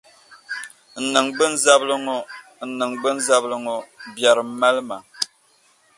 N niŋgbunzabili ŋɔ, n niŋgbunzabili ŋɔ! Biɛrim mali ma.